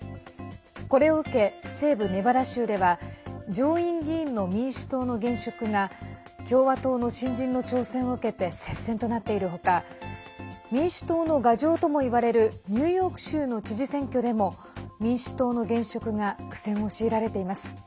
これを受け、西部ネバダ州では上院議員の民主党の現職が共和党の新人の挑戦を受けて接戦となっている他民主党の牙城とも言われるニューヨーク州の知事選挙でも民主党の現職が苦戦を強いられています。